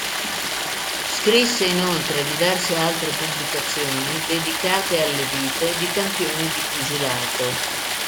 Scrisse inoltre diverse altre pubblicazioni dedicate alle vite di campioni di pugilato.